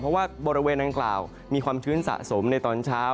เพราะว่าบริเวณดังกล่าวมีความชื้นสะสมในตอนเช้า